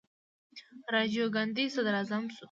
راجیو ګاندي صدراعظم شو.